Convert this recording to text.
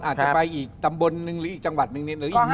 อาจจะไปอีกตำบลหนึ่งหรืออีกจังหวัดหนึ่ง